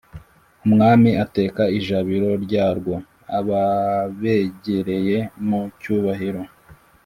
Umwami ateka ijabiro ryarwoAbabegereye mu cyubahiro,